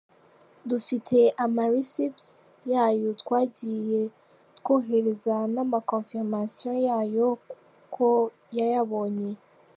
Dufite ama receipts y’ayo twagiye twohereza n’ama confirmations yayo ko yayabonye.